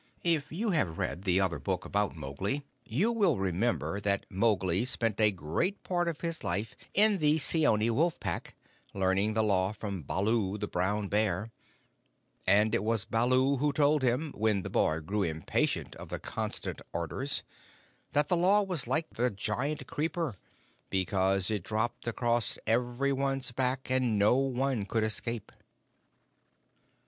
If you have read the other book about Mowgli, you will remember that he spent a great part of his life in the Seeonee Wolf Pack, learning the Law from Baloo, the Brown Bear; and it was Baloo who told him, when the boy grew impatient at the constant orders, that the Law was like the Giant Creeper, because it dropped across every one's back and no one could escape.